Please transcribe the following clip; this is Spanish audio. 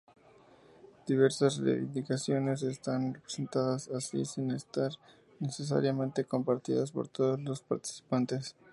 Diversas reivindicaciones están representadas así sin estar necesariamente compartidas por todos los participantes.